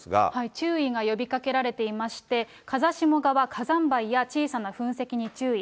注意が呼びかけられていまして、風下側、火山灰や小さな噴石に注意。